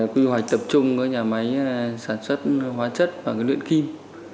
quy hoạch tập trung với nhà máy sản xuất hóa chất và luyện kim